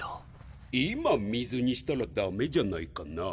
今水にしたらダメじゃないかな？